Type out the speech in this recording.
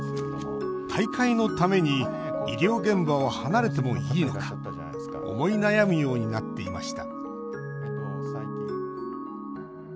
大会のために医療現場を離れてもいいのか思い悩むようになっていました